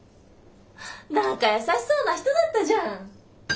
何か優しそうな人だったじゃん。